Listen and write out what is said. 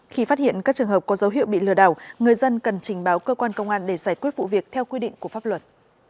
khi phát hiện các trường hợp có dấu hiệu bị lừa đảo người dân cần trình báo cơ quan công an để giải quyết vụ việc theo quy định của pháp luật